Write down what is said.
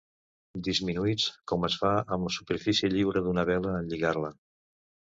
Disminuïts com es fa amb la superfície lliure d'una vela en lligar-la.